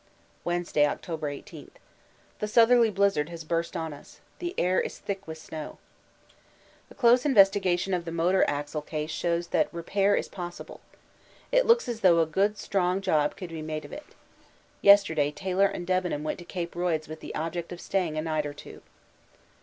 Wednesday, October 18. The southerly blizzard has burst on us. The air is thick with snow. A close investigation of the motor axle case shows that repair is possible. It looks as though a good strong job could be made of it. Yesterday Taylor and Debenham went to Cape Royds with the object of staying a night or two.